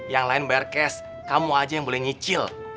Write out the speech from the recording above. yang lain bayar cash kamu aja yang boleh nyicil